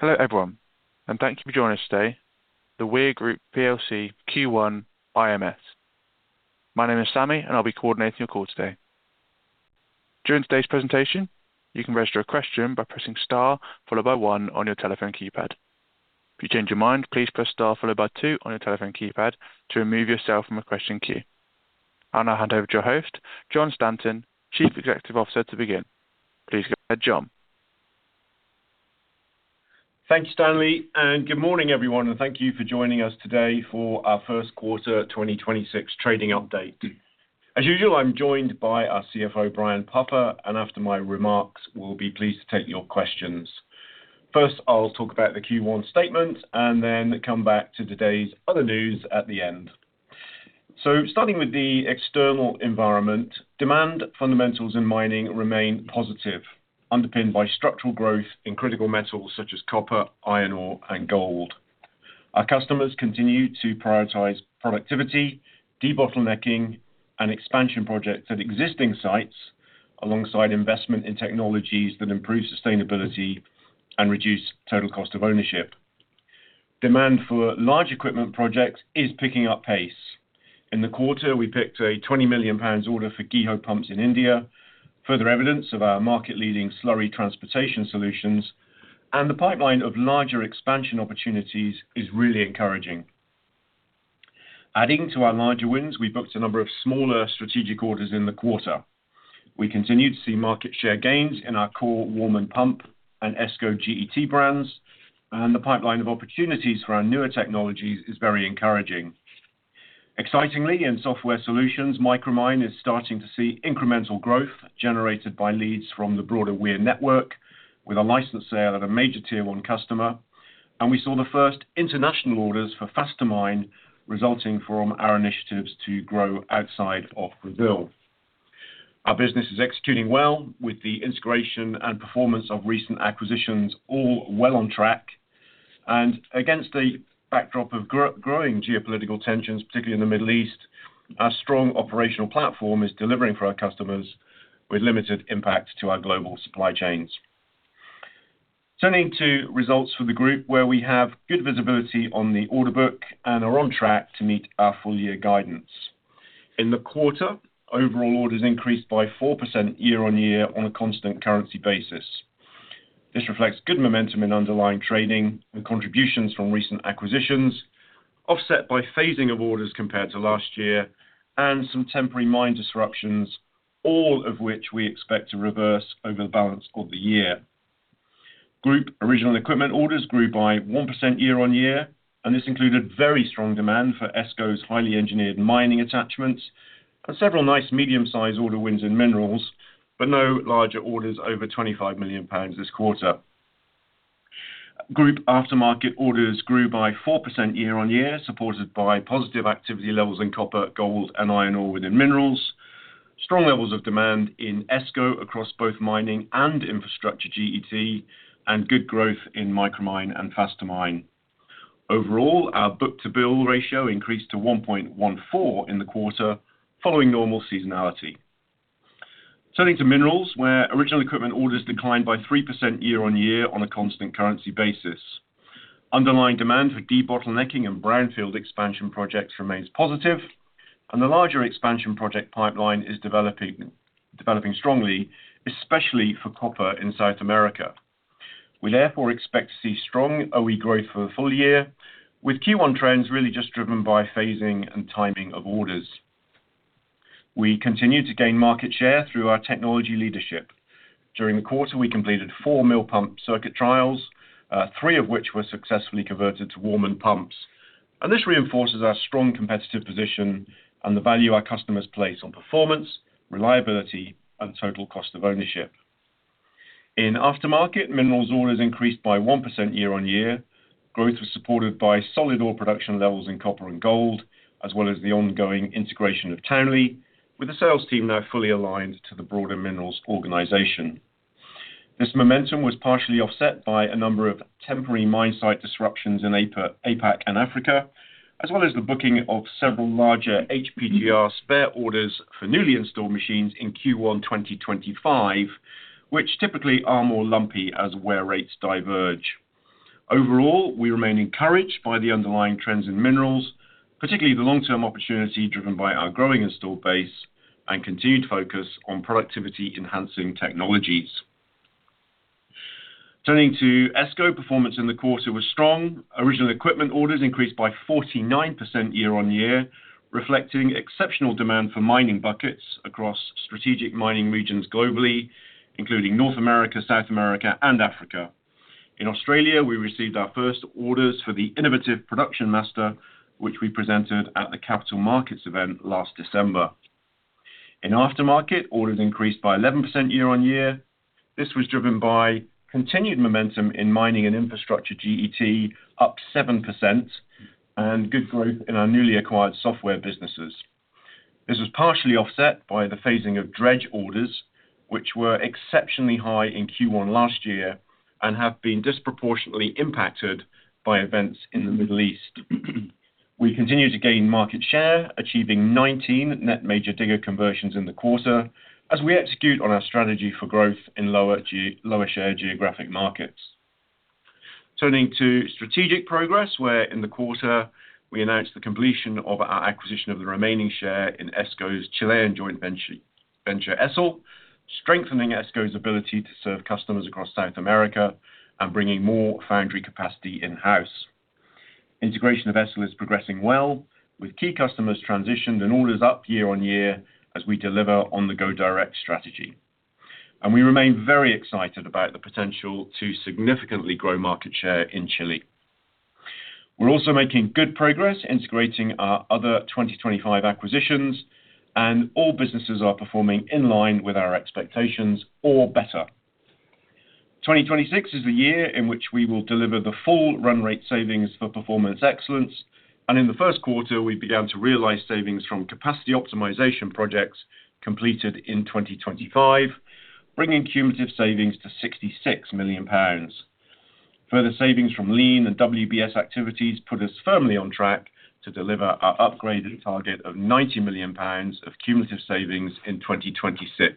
Hello, everyone, and thank you for joining us today, The Weir Group PLC Q1 IMS. My name is Sammy, and I'll be coordinating your call today. During today's presentation, you can register a question by pressing star followed by one on your telephone keypad. If you change your mind, please press star followed by two on your telephone keypad to remove yourself from the question queue. I'll now hand over to your host, Jon Stanton, Chief Executive Officer, to begin. Please go ahead, Jon. Thank you, Sammy, and good morning, everyone, and thank you for joining us today for our First Quarter 2026 Trading Update. As usual, I'm joined by our CFO, Brian Puffer, and after my remarks, we'll be pleased to take your questions. First, I'll talk about the Q1 statement and then come back to today's other news at the end. Starting with the external environment, demand fundamentals in mining remain positive, underpinned by structural growth in critical metals such as copper, iron ore, and gold. Our customers continue to prioritize productivity, debottlenecking, and expansion projects at existing sites alongside investment in technologies that improve sustainability and reduce total cost of ownership. Demand for large equipment projects is picking up pace. In the quarter, we picked a 20 million pounds order for GEHO pumps in India, further evidence of our market-leading slurry transportation solutions. The pipeline of larger expansion opportunities is really encouraging. Adding to our larger wins, we booked a number of smaller strategic orders in the quarter. We continue to see market share gains in our core WARMAN Pump and ESCO GET brands. The pipeline of opportunities for our newer technologies is very encouraging. Excitingly, in Software Solutions, Micromine is starting to see incremental growth generated by leads from the broader Weir network with a license sale at a major Tier 1 customer. We saw the first international orders for Fast2Mine resulting from our initiatives to grow outside of Brazil. Our business is executing well with the integration and performance of recent acquisitions all well on track. Against the backdrop of growing geopolitical tensions, particularly in the Middle East, our strong operational platform is delivering for our customers with limited impact to our global supply chains. Turning to results for the group where we have good visibility on the order book and are on track to meet our full year guidance. In the quarter, overall orders increased by 4% year-on-year on a constant currency basis. This reflects good momentum in underlying trading and contributions from recent acquisitions, offset by phasing of orders compared to last year and some temporary mine disruptions, all of which we expect to reverse over the balance of the year. Group original equipment orders grew by 1% year-on-year. This included very strong demand for ESCO's highly engineered mining attachments and several nice medium-sized order wins in minerals, but no larger orders over 25 million pounds this quarter. Group aftermarket orders grew by 4% year-on-year, supported by positive activity levels in copper, gold, and iron ore within minerals, strong levels of demand in ESCO across both mining and infrastructure GET, and good growth in Micromine and Fast2Mine. Overall, our book-to-bill ratio increased to 1.14 in the quarter following normal seasonality. Turning to Minerals, where original equipment orders declined by 3% year-on-year on a constant currency basis. Underlying demand for debottlenecking and brownfield expansion projects remains positive. The larger expansion project pipeline is developing strongly, especially for copper in South America. We therefore expect to see strong OE growth for the full year, with Q1 trends really just driven by phasing and timing of orders. We continue to gain market share through our technology leadership. During the quarter, we completed four mill pump circuit trials, three of which were successfully converted to WARMAN pumps. This reinforces our strong competitive position and the value our customers place on performance, reliability, and total cost of ownership. In Aftermarket, minerals orders increased by 1% year-on-year. Growth was supported by solid ore production levels in copper and gold, as well as the ongoing integration of Townley, with the sales team now fully aligned to the broader Minerals organization. This momentum was partially offset by a number of temporary mine site disruptions in APAC and Africa, as well as the booking of several larger HPGR spare orders for newly installed machines in Q1 2025, which typically are more lumpy as wear rates diverge. Overall, we remain encouraged by the underlying trends in Minerals, particularly the long-term opportunity driven by our growing installed base and continued focus on productivity enhancing technologies. Turning to ESCO, performance in the quarter was strong. Original equipment orders increased by 49% year-on-year, reflecting exceptional demand for mining buckets across strategic mining regions globally, including North America, South America, and Africa. In Australia, we received our first orders for the innovative Production Master, which we presented at the Capital Markets event last December. In Aftermarket, orders increased by 11% year-on-year. This was driven by continued momentum in mining and infrastructure GET up 7% and good growth in our newly acquired software businesses. This was partially offset by the phasing of dredge orders, which were exceptionally high in Q1 last year and have been disproportionately impacted by events in the Middle East. We continue to gain market share, achieving 19 net major digger conversions in the quarter as we execute on our strategy for growth in lower share geographic markets. Turning to strategic progress, where in the quarter we announced the completion of our acquisition of the remaining share in ESCO's Chilean joint venture, ESEL, strengthening ESCO's ability to serve customers across South America and bringing more foundry capacity in-house. Integration of ESEL is progressing well, with key customers transitioned and orders up year-on-year as we deliver on the go-direct strategy. We remain very excited about the potential to significantly grow market share in Chile. We're also making good progress integrating our other 2025 acquisitions, and all businesses are performing in line with our expectations or better. 2026 is the year in which we will deliver the full run rate savings for Performance Excellence. In the first quarter, we began to realize savings from capacity optimization projects completed in 2025, bringing cumulative savings to 66 million pounds. Further savings from LEAN and WBS activities put us firmly on track to deliver our upgraded target of 90 million pounds of cumulative savings in 2026.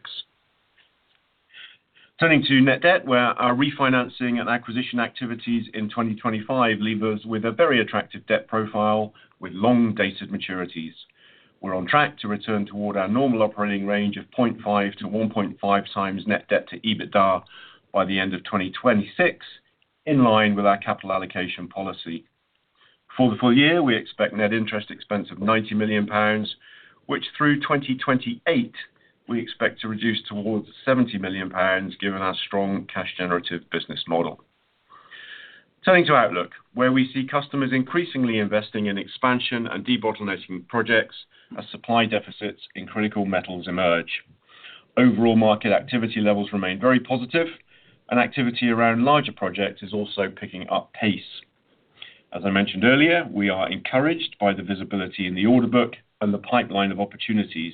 Turning to net debt, where our refinancing and acquisition activities in 2025 leave us with a very attractive debt profile with long-dated maturities. We're on track to return toward our normal operating range of 0.5x-1.5x net debt to EBITDA by the end of 2026, in line with our capital allocation policy. For the full year, we expect net interest expense of 90 million pounds, which through 2028 we expect to reduce towards 70 million pounds given our strong cash generative business model. Turning to outlook, where we see customers increasingly investing in expansion and debottlenecking projects as supply deficits in critical metals emerge. Overall market activity levels remain very positive, and activity around larger projects is also picking up pace. As I mentioned earlier, we are encouraged by the visibility in the order book and the pipeline of opportunities.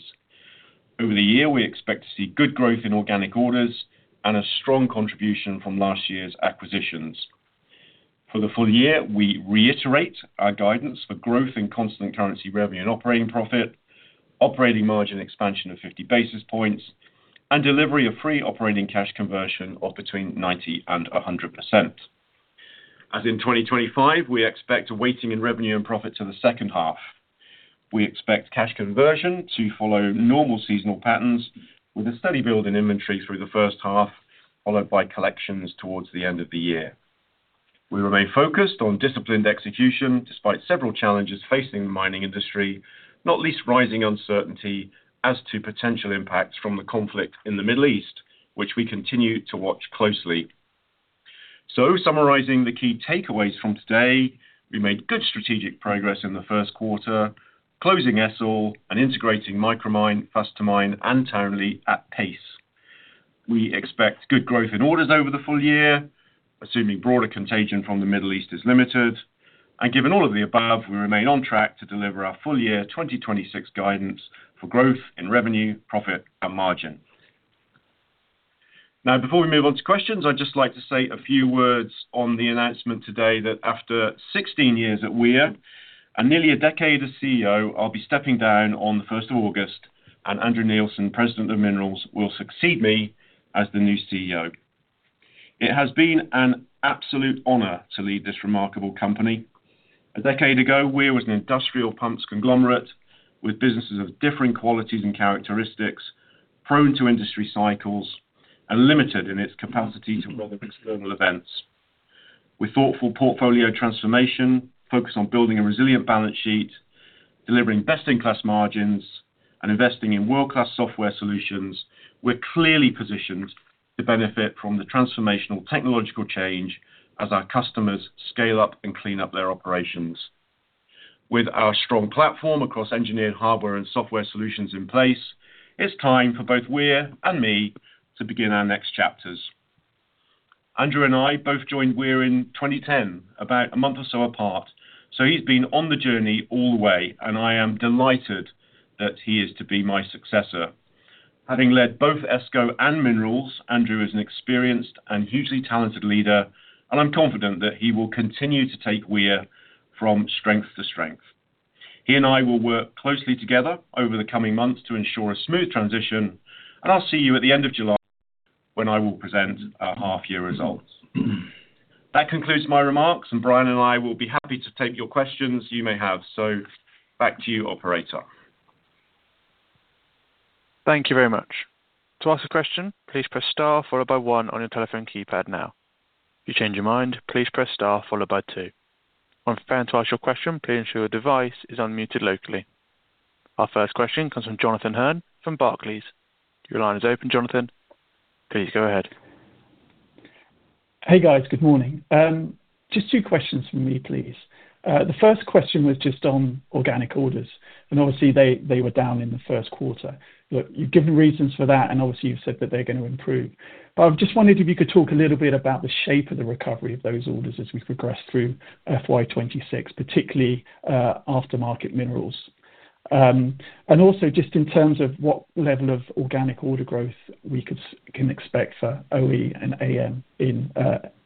Over the year, we expect to see good growth in organic orders and a strong contribution from last year's acquisitions. For the full year, we reiterate our guidance for growth in constant currency revenue and operating profit, operating margin expansion of 50 basis points, and delivery of free operating cash conversion of between 90% and 100%. As in 2025, we expect a weighting in revenue and profit to the second half. We expect cash conversion to follow normal seasonal patterns with a steady build in inventory through the first half, followed by collections towards the end of the year. We remain focused on disciplined execution despite several challenges facing the mining industry, not least rising uncertainty as to potential impacts from the conflict in the Middle East, which we continue to watch closely. Summarizing the key takeaways from today, we made good strategic progress in the first quarter, closing ESEL and integrating Micromine, Fast2Mine and Townley at pace. We expect good growth in orders over the full year, assuming broader contagion from the Middle East is limited. Given all of the above, we remain on track to deliver our full year 2026 guidance for growth in revenue, profit and margin. Now, before we move on to questions, I'd just like to say a few words on the announcement today that after 16 years at Weir and nearly a decade as CEO, I'll be stepping down on the 1st of August, and Andrew Neilson, President of Minerals, will succeed me as the new CEO. It has been an absolute honor to lead this remarkable company. A decade ago, Weir was an industrial pumps conglomerate with businesses of differing qualities and characteristics, prone to industry cycles and limited in its capacity to weather external events. With thoughtful portfolio transformation, focus on building a resilient balance sheet, delivering best-in-class margins, and investing in world-class Software Solutions, we're clearly positioned to benefit from the transformational technological change as our customers scale up and clean up their operations. With our strong platform across engineered hardware and Software Solutions in place, it's time for both Weir and me to begin our next chapters. Andrew and I both joined Weir in 2010, about a month or so apart, so he's been on the journey all the way, and I am delighted that he is to be my successor. Having led both ESCO and Minerals, Andrew is an experienced and hugely talented leader, and I'm confident that he will continue to take Weir from strength to strength. He and I will work closely together over the coming months to ensure a smooth transition, and I'll see you at the end of July when I will present our half year results. That concludes my remarks, and Brian and I will be happy to take your questions you may have. Back to you, operator. Thank you very much. To ask a question, please press star followed by one on your telephone keypad now. If you change your mind, please press star followed by two. When found to ask your question, please ensure your device is unmuted locally. Our first question comes from Jonathan Hurn from Barclays. Your line is open, Jonathan. Please go ahead. Hey, guys. Good morning. Just two questions from me, please. The first question was just on organic orders, and obviously they were down in the first quarter. Look, you've given reasons for that, and obviously you've said that they're going to improve. I just wondered if you could talk a little bit about the shape of the recovery of those orders as we progress through FY 2026, particularly Aftermarket Minerals. Also just in terms of what level of organic order growth we can expect for OE and AM in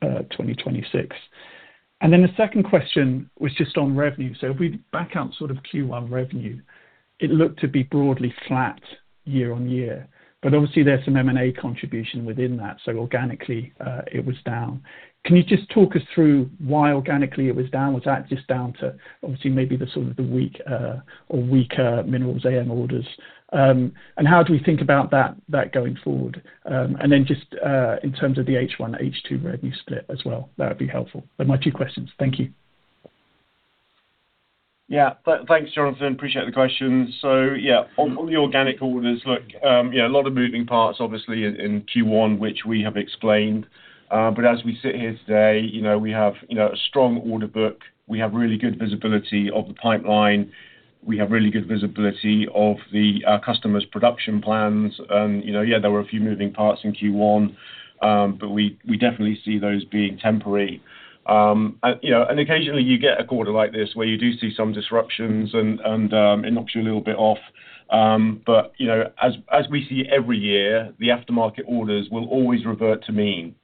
2026. The second question was just on revenue. If we back out sort of Q1 revenue, it looked to be broadly flat year-on-year, obviously, there's some M&A contribution within that, organically, it was down. Can you just talk us through why organically it was down? Was that just down to obviously maybe the sort of the weak or weaker Minerals AM orders? How do we think about that going forward? Then just in terms of the H1 to H2 revenue split as well, that'd be helpful. They're my two questions. Thank you. Thanks, Jonathan. Appreciate the questions. On the organic orders, look, a lot of moving parts obviously in Q1, which we have explained. As we sit here today, you know, we have, you know, a strong order book. We have really good visibility of the pipeline. We have really good visibility of the customers' production plans. You know, there were a few moving parts in Q1. We definitely see those being temporary. You know, occasionally you get a quarter like this where you do see some disruptions and it knocks you a little bit off. You know, as we see every year, the aftermarket orders will always revert to mean.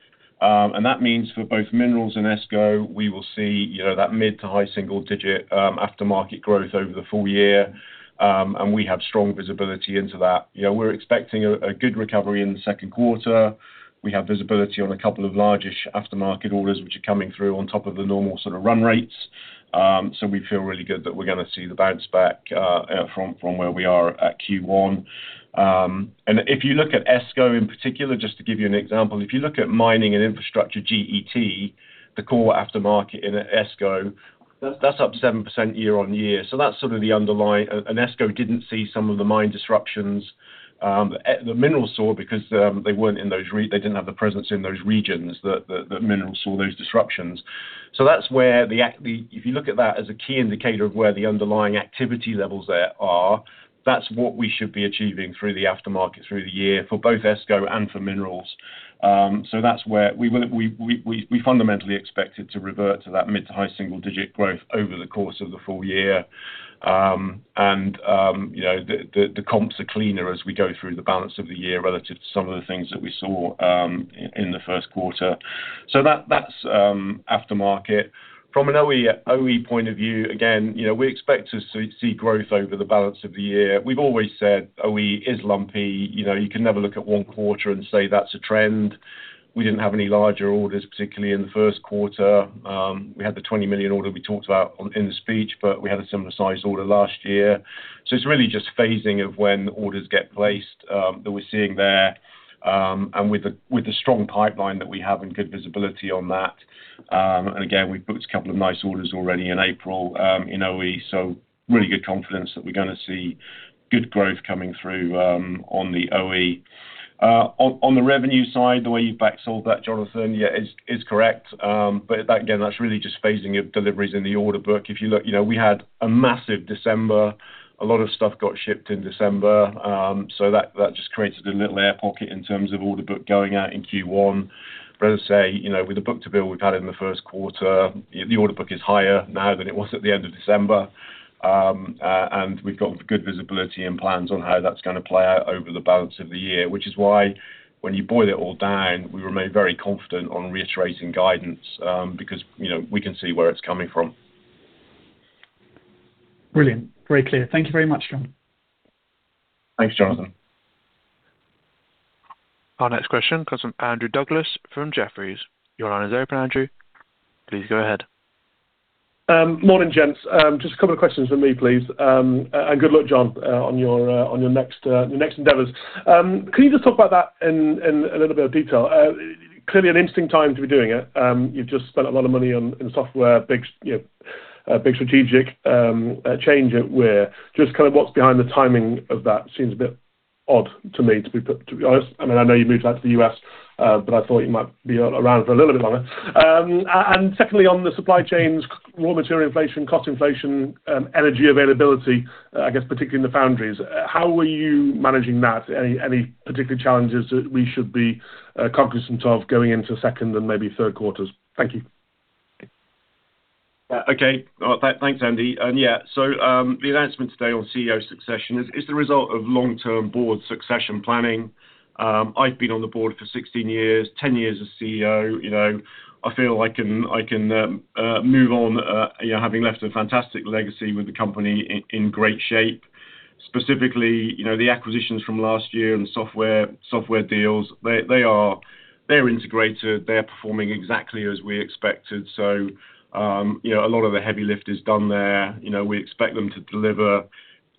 That means for both Minerals and ESCO, we will see, you know, that mid to high single-digit aftermarket growth over the full year. We have strong visibility into that. You know, we're expecting a good recovery in the second quarter. We have visibility on a couple of large-ish aftermarket orders, which are coming through on top of the normal sort of run rates. We feel really good that we're gonna see the bounce back from where we are at Q1. If you look at ESCO in particular, just to give you an example, if you look at mining and infrastructure GET, the core aftermarket in ESCO, that's up 7% year-on-year. That's sort of the underlying... ESCO didn't see some of the mine disruptions, Minerals saw because they weren't in those regions that Minerals saw those disruptions. That's where if you look at that as a key indicator of where the underlying activity levels there are, that's what we should be achieving through the aftermarket through the year for both ESCO and for Minerals. That's where we fundamentally expect it to revert to that mid-to-high single-digit growth over the course of the full year. You know, the comps are cleaner as we go through the balance of the year relative to some of the things that we saw in the first quarter. That's aftermarket. From an OE point of view, you know, we expect to see growth over the balance of the year. We've always said OE is lumpy. You know, you can never look at one quarter and say that's a trend. We didn't have any larger orders, particularly in the first quarter. We had the 20 million order we talked about in the speech, we had a similar sized order last year. It's really just phasing of when orders get placed that we're seeing there. With the strong pipeline that we have and good visibility on that, we booked 2 nice orders already in April in OE, really good confidence that we're gonna see good growth coming through on the OE. On the revenue side, the way you back solve that, Jonathan, yeah, is correct. That again, that's really just phasing of deliveries in the order book. If you look, you know, we had a massive December. A lot of stuff got shipped in December. That just created a little air pocket in terms of order book going out in Q1. As I say, you know, with the book-to-bill we've had in the first quarter, the order book is higher now than it was at the end of December. And we've got good visibility and plans on how that's gonna play out over the balance of the year, which is why when you boil it all down, we remain very confident on reiterating guidance, because, you know, we can see where it's coming from. Brilliant. Very clear. Thank you very much, Jon. Thanks, Jonathan. Our next question comes from Andrew Douglas from Jefferies. Your line is open, Andrew. Please go ahead. Morning, gents. Just a couple of questions from me, please. Good luck, Jon, on your next, your next endeavors. Can you just talk about that in a little bit of detail? Clearly an interesting time to be doing it. You've just spent a lot of money on, in software, you know, a big strategic change at Weir. Just kind of what's behind the timing of that seems a bit odd to me to be honest. I mean, I know you moved out to the U.S., but I thought you might be around for a little bit longer. Secondly, on the supply chains, raw material inflation, cost inflation, energy availability, I guess particularly in the foundries, how are you managing that? Any particular challenges that we should be cognizant of going into second and maybe third quarters? Thank you. Okay. Thanks, Andy. The announcement today on CEO succession is the result of long-term board succession planning. I've been on the board for 16 years, 10 years as CEO. You know, I feel I can move on, you know, having left a fantastic legacy with the company in great shape. Specifically, you know, the acquisitions from last year and the software deals, they're integrated, they're performing exactly as we expected. You know, a lot of the heavy lift is done there. You know, we expect them to deliver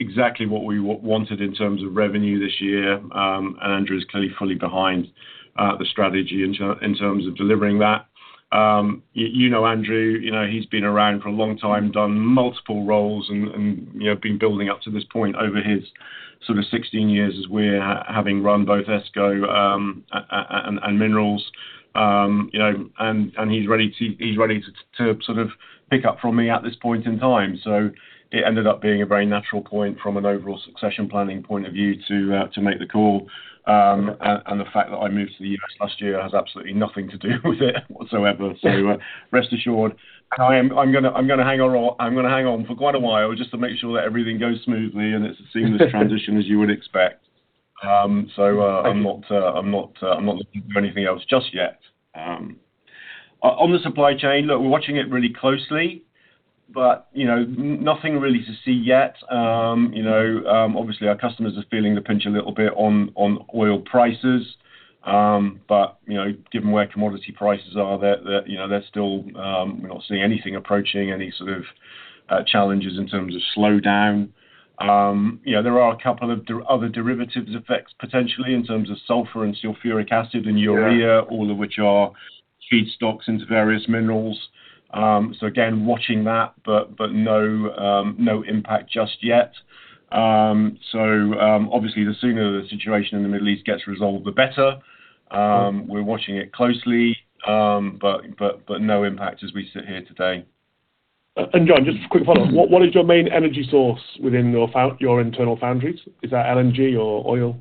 exactly what we wanted in terms of revenue this year. Andrew is clearly fully behind the strategy in terms of delivering that. You know Andrew. You know, he's been around for a long time, done multiple roles and, you know, been building up to this point over his sort of 16 years as Weir having run both ESCO, and Minerals. You know, he's ready to sort of pick up from me at this point in time. It ended up being a very natural point from an overall succession planning point of view to make the call. The fact that I moved to the U.S. last year has absolutely nothing to do with it whatsoever. Rest assured. I'm gonna hang on for quite a while just to make sure that everything goes smoothly and it's a seamless transition as you would expect. I'm not looking for anything else just yet. On the supply chain, look, we're watching it really closely, you know, nothing really to see yet. Obviously our customers are feeling the pinch a little bit on oil prices. You know, given where commodity prices are, they're, you know, they're still, we're not seeing anything approaching any sort of challenges in terms of slowdown. You know, there are a couple of other derivatives effects potentially in terms of sulfur and sulfuric acid and urea. Yeah All of which are feedstocks into various minerals. Again, watching that, but no impact just yet. Obviously the sooner the situation in the Middle East gets resolved, the better. Sure. We're watching it closely, but no impact as we sit here today. Jon, just a quick follow-up. What is your main energy source within your internal foundries? Is that LNG or oil?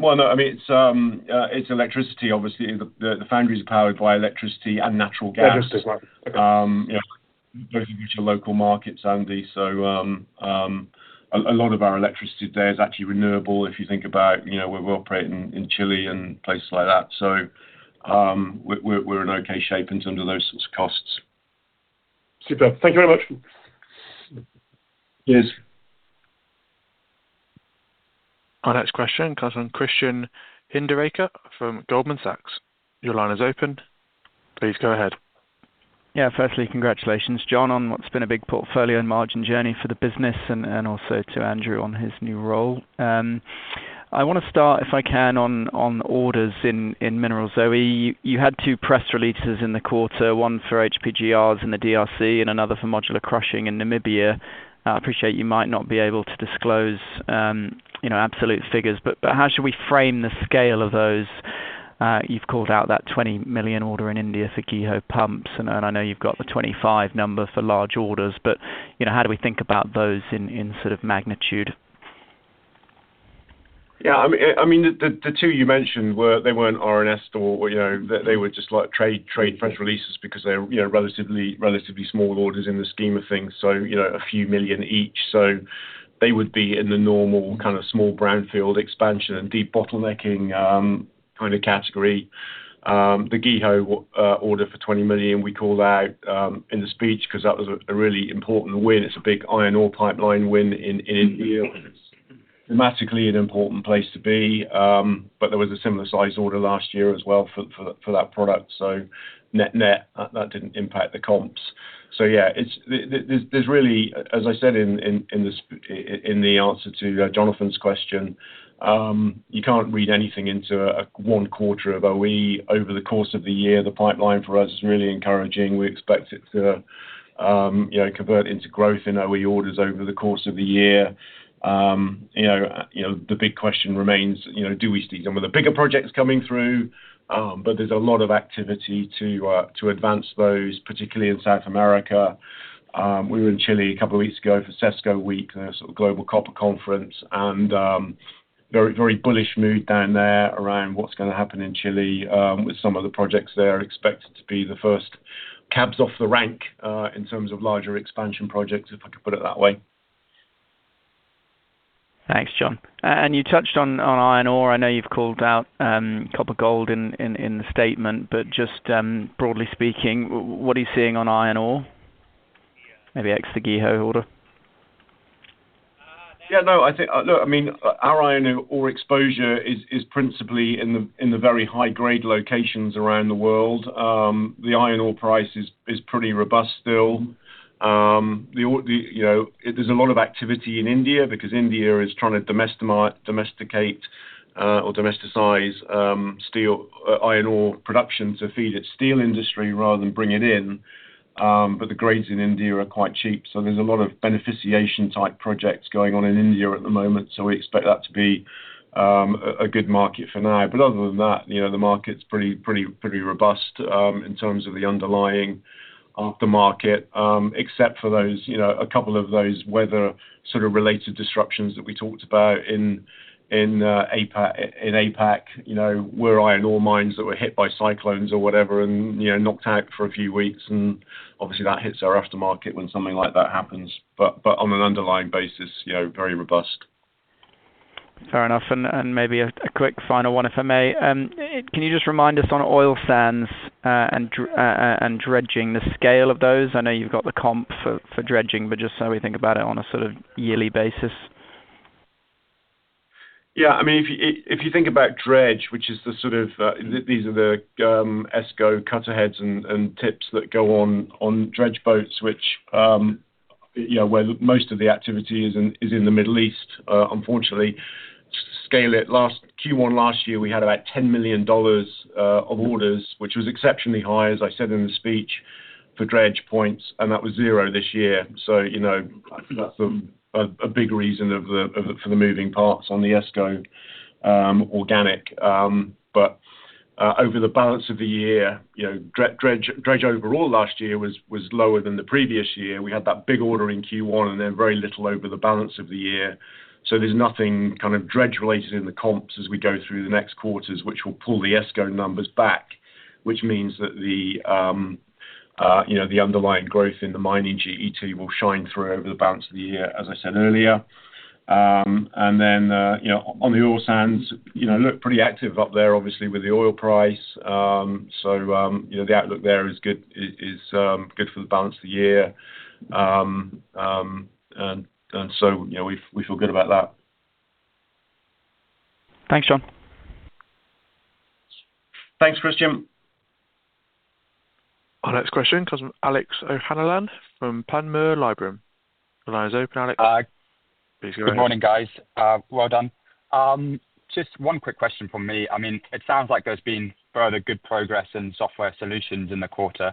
Well, no, I mean, it's electricity obviously. The foundry is powered by electricity and natural gas. Electricity, okay. You know, distribution to local markets, Andy, a lot of our electricity there is actually renewable if you think about, you know, we operate in Chile and places like that. We're in okay shape in terms of those sorts of costs. Superb. Thank you very much. Cheers. Our next question comes from Christian Hinderaker from Goldman Sachs. Your line is open. Please go ahead. Firstly, congratulations, Jon, on what's been a big portfolio and margin journey for the business and also to Andrew on his new role. I wanna start, if I can, on orders in Minerals OE. You had two press releases in the quarter, one for HPGRs in the D.R.C. and another for modular crushing in Namibia. I appreciate you might not be able to disclose, you know, absolute figures, but how should we frame the scale of those? You've called out that 20 million order in India for GEHO pumps, and I know you've got the 25 million number for large orders. You know, how do we think about those in sort of magnitude? I mean, the two you mentioned weren't RNS or, you know. They were just like trade press releases because they were, you know, relatively small orders in the scheme of things, so, you know, a few million each. They would be in the normal kind of small brownfield expansion and deep bottlenecking kind of category. The GEHO order for 20 million we called out in the speech 'cause that was a really important win. It's a big iron ore pipeline win in India. Thematically an important place to be, there was a similar size order last year as well for that product. Net-net, that didn't impact the comps. There's really, as I said in the answer to Jonathan's question, you can't read anything into a one quarter of OE. Over the course of the year, the pipeline for us is really encouraging. We expect it to, you know, convert into growth in OE orders over the course of the year. You know, the big question remains, you know, do we see some of the bigger projects coming through? There's a lot of activity to advance those, particularly in South America. We were in Chile a couple of weeks ago for CESCO Week, a sort of global copper conference, and very, very bullish mood down there around what's gonna happen in Chile, with some of the projects there expected to be the first cabs off the rank, in terms of larger expansion projects, if I could put it that way. Thanks, Jon. You touched on iron ore. I know you've called out copper gold in the statement, but just broadly speaking, what are you seeing on iron ore? Maybe ex the GEHO order. Yeah, no, I think, look, I mean, our iron ore exposure is principally in the very high-grade locations around the world. The iron ore price is pretty robust still. You know, there's a lot of activity in India because India is trying to domesticate or domesticize steel, iron ore production to feed its steel industry rather than bring it in. The grades in India are quite cheap, so there's a lot of beneficiation-type projects going on in India at the moment, so we expect that to be a good market for now. Other than that, you know, the market's pretty robust, in terms of the underlying aftermarket, except for those, you know, a couple of those weather sort of related disruptions that we talked about in APAC. Iron ore mines that were hit by cyclones or whatever and, you know, knocked out for a few weeks and obviously that hits our aftermarket when something like that happens. On an underlying basis, you know, very robust. Fair enough. Maybe a quick final one, if I may. Can you just remind us on oil sands and dredging the scale of those? I know you've got the comp for dredging, but just how we think about it on a sort of yearly basis. I mean, if you think about dredge, which is the sort of, these are the ESCO cutter heads and tips that go on dredge boats, which, you know, where most of the activity is in, is in the Middle East, unfortunately. To scale it, last Q1 last year, we had about $10 million of orders, which was exceptionally high, as I said in the speech, for dredge points, and that was zero this year. You know, I think that's a big reason of the for the moving parts on the ESCO organic. Over the balance of the year, you know, dredge overall last year was lower than the previous year. We had that big order in Q1 and then very little over the balance of the year. There's nothing kind of dredge-related in the comps as we go through the next quarters, which will pull the ESCO numbers back, which means that the, you know, the underlying growth in the mining GET will shine through over the balance of the year, as I said earlier. Then, you know, on the oil sands, you know, look pretty active up there, obviously, with the oil price. You know, the outlook there is good, is good for the balance of the year. You know, we feel good about that. Thanks, Jon. Thanks, Christian. Our next question comes from Alex O'Hanlon from Panmure Liberum. The line is open, Alex. Please go ahead. Good morning, guys. Well done. Just one quick question from me. I mean, it sounds like there's been further good progress in Software Solutions in the quarter.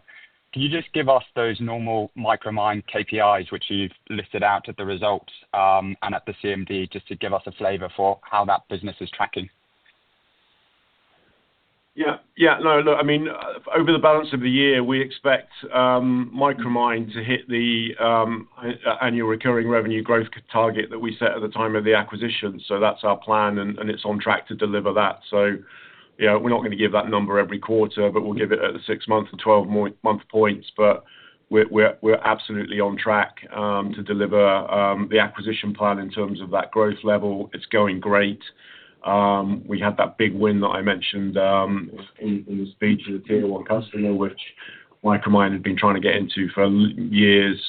Can you just give us those normal Micromine KPIs which you've listed out at the results, and at the CMD, just to give us a flavor for how that business is tracking? Yeah. Yeah. No, look, I mean, over the balance of the year, we expect Micromine to hit the annual recurring revenue growth target that we set at the time of the acquisition. That's our plan, and it's on track to deliver that. You know, we're not gonna give that number every quarter, but we'll give it at the six-month to twelve-month points. We're absolutely on track to deliver the acquisition plan in terms of that growth level. It's going great. We had that big win that I mentioned in the speech with a Tier 1 customer, which Micromine had been trying to get into for years,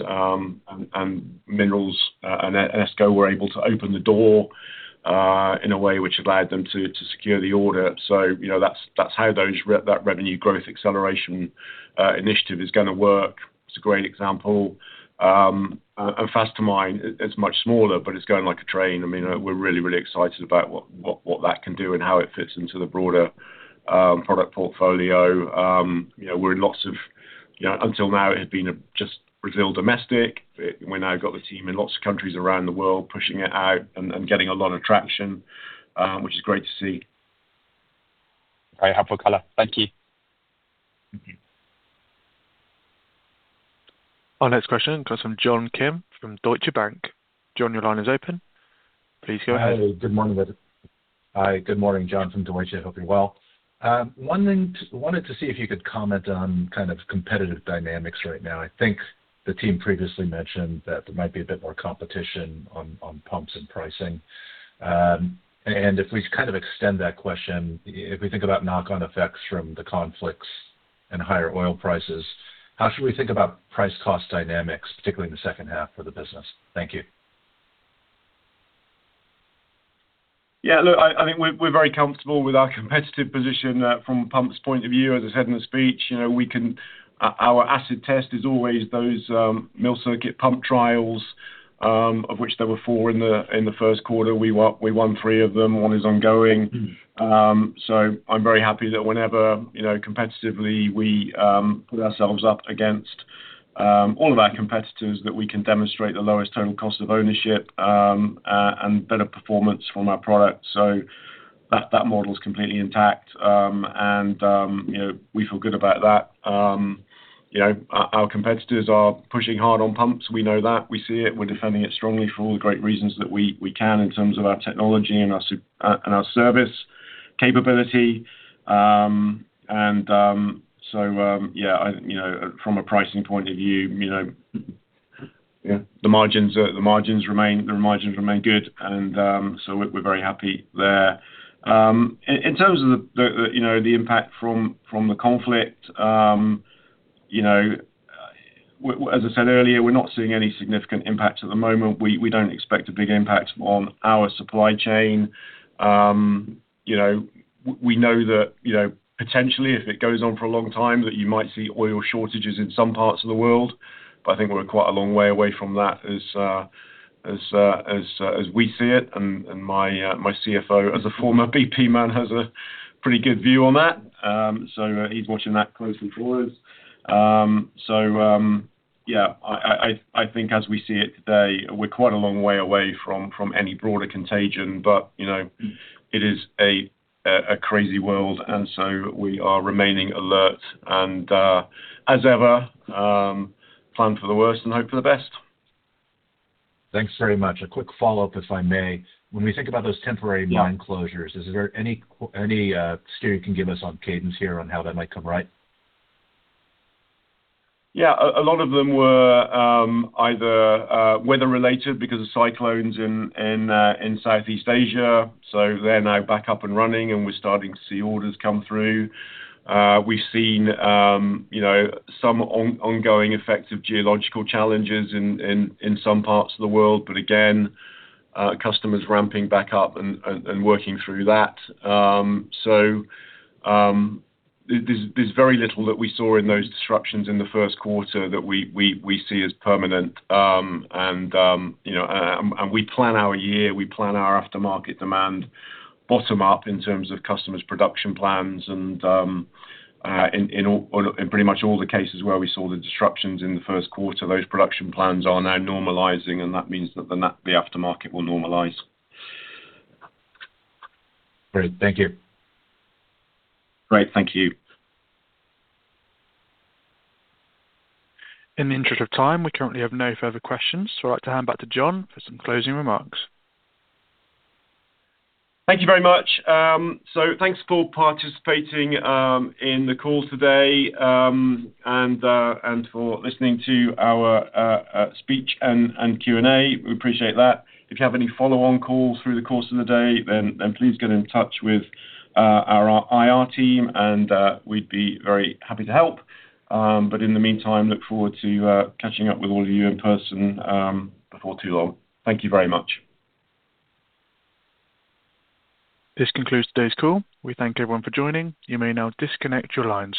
and Minerals and ESCO were able to open the door in a way which allowed them to secure the order. You know, that's how those that revenue growth acceleration initiative is gonna work. It's a great example. Fast2Mine, it's much smaller, but it's going like a train. I mean, we're really excited about what that can do and how it fits into the broader product portfolio. You know, until now, it had been just Brazil domestic. We now got the team in lots of countries around the world pushing it out and getting a lot of traction, which is great to see. Very helpful color. Thank you. Mm-hmm. Our next question comes from John Kim from Deutsche Bank. John, your line is open. Please go ahead. Good morning, John Kim from Deutsche. I hope you're well. One thing, wanted to see if you could comment on kind of competitive dynamics right now. I think the team previously mentioned that there might be a bit more competition on pumps and pricing. If we kind of extend that question, if we think about knock-on effects from the conflicts and higher oil prices, how should we think about price-cost dynamics, particularly in the second half of the business? Thank you. Look, I think we're very comfortable with our competitive position from pumps point of view, as I said in the speech. You know, our acid test is always those mill circuit pump trials, of which there were four in the first quarter. We won three of them, one is ongoing. I'm very happy that whenever, you know, competitively, we put ourselves up against all of our competitors that we can demonstrate the lowest total cost of ownership and better performance from our product. That model is completely intact, and, you know, we feel good about that. You know, our competitors are pushing hard on pumps. We know that. We see it. We're defending it strongly for all the great reasons that we can in terms of our technology and our service capability. You know, from a pricing point of view, you know, the margins remain good, so we're very happy there. You know, the impact from the conflict, you know, as I said earlier, we're not seeing any significant impact at the moment. We don't expect a big impact on our supply chain. You know, we know that, you know, potentially, if it goes on for a long time, that you might see oil shortages in some parts of the world. I think we're quite a long way away from that as we see it, and my CFO as a former BP has a pretty good view on that. He's watching that closely for us. I think as we see it today, we're quite a long way away from any broader contagion. You know, it is a crazy world, we are remaining alert, and as ever, plan for the worst and hope for the best. Thanks very much. A quick follow-up, if I may. Yeah. When we think about those temporary mine closures, is there any steer you can give us on cadence here on how that might come right? Yeah. A lot of them were either weather-related because of cyclones in Southeast Asia. They're now back up and running, and we're starting to see orders come through. We've seen, you know, some on-ongoing effects of geological challenges in some parts of the world. Again, customers ramping back up and working through that. There's very little that we saw in those disruptions in the first quarter that we see as permanent. You know, and we plan our year, we plan our aftermarket demand bottom up in terms of customers' production plans and in pretty much all the cases where we saw the disruptions in the first quarter, those production plans are now normalizing. That means that the aftermarket will normalize. Great. Thank you. Great. Thank you. In the interest of time, we currently have no further questions. I'd like to hand back to Jon for some closing remarks. Thank you very much. Thanks for participating in the call today and for listening to our speech and Q&A. We appreciate that. If you have any follow-on calls through the course of the day, then please get in touch with our IR team and we'd be very happy to help. In the meantime, look forward to catching up with all of you in person before too long. Thank you very much. This concludes today's call. We thank everyone for joining. You may now disconnect your lines.